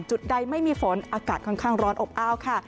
จุดใดไม่มีฝนอากาศค่อนข้างร้อนอบอ้าวค่ะ